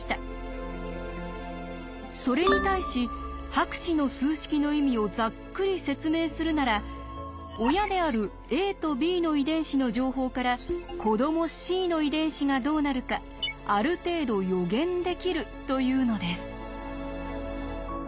それに対し博士の数式の意味をざっくり説明するなら親であるａとｂの遺伝子の情報から子どもｃの遺伝子がどうなるかある程度予言できるというのです。